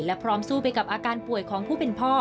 และพร้อมสู้ไปกับอาการป่วยของผู้เป็นพ่อ